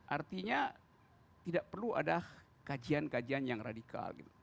artinya tidak perlu ada kajian kajian yang radikal